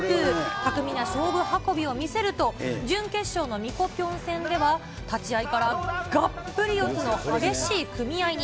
巧みな勝負はこびを見せると、準決勝のミコぴょん戦では、立ち合いからがっぷり四つの激しい組合に。